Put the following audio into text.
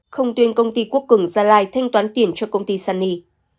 không tuyên công ty quốc cường gia lai thanh toán tiền cho công ty sunny